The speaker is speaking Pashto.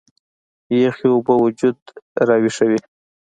يخې اوبۀ وجود راوېخوي